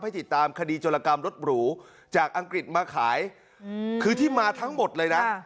ติดตามคดีโจรกรรมรถหรูจากอังกฤษมาขายคือที่มาทั้งหมดเลยนะ